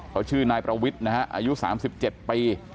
เขาชื่อนายประวิทย์นะฮะอายุ๓๗ปี